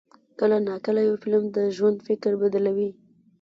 کله ناکله یو فلم د ژوند فکر بدلوي.